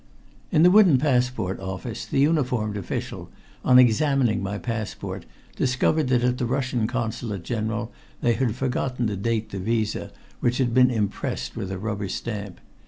In the wooden passport office the uniformed official, on examining my passport, discovered that at the Russian Consulate General they had forgotten to date the visé which had been impressed with a rubber stamp.